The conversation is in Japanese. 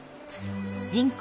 人口